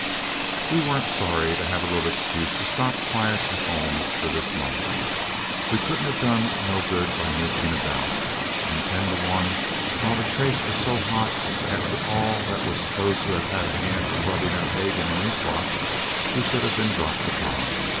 We weren't sorry to have a little excuse to stop quiet at home for this month. We couldn't have done no good by mooching about, and ten to one, while the chase was so hot after all that were supposed to have had a hand in rubbing out Hagan and his lot, we should have been dropped upon.